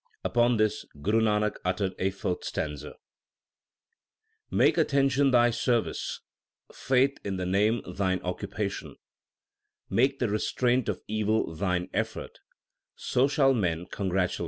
Upon this, Guru Nanak uttered a fourth stanza : Make attention thy service, faith in the Name thine occupa tion ; Make the restraint of evil thine effort, so shall men con gratulate thee.